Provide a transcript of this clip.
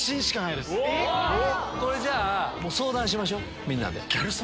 それじゃあ相談しましょうみんなで。